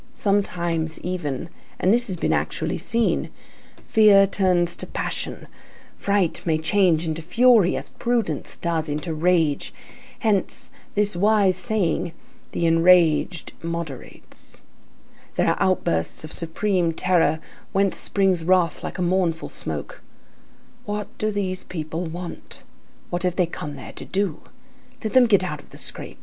Sometimes, even, and this has been actually seen, fear turns to passion; fright may change into fury, as prudence does into rage; hence this wise saying: "The enraged moderates." There are outbursts of supreme terror, whence springs wrath like a mournful smoke.—"What do these people want? What have they come there to do? Let them get out of the scrape.